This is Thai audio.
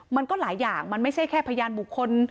มันก็หลายอย่างมันไม่ใช่แค่พยานบุคคล